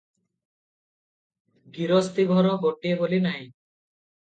ଗିରସ୍ତି ଘର ଗୋଟିଏ ବୋଲି ନାହିଁ ।